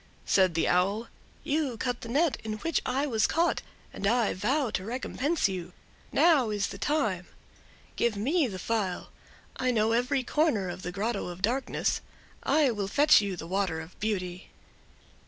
Said the Owl: "You cut the net in which I was caught, and I vow to recompense you. Now is the time. Give me the phial; I know every corner of the Grotto of Darkness—I will fetch you the water of beauty."